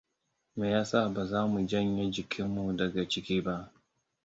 Meyasa baza mu janye jikinmu daga ciki ba?